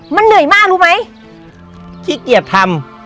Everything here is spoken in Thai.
มันเหนื่อยมากรู้ไหมขี้เกียจทำ